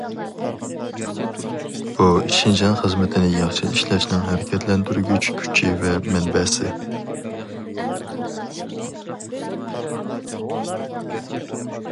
بۇ شىنجاڭ خىزمىتىنى ياخشى ئىشلەشنىڭ ھەرىكەتلەندۈرگۈچ كۈچى ۋە مەنبەسى.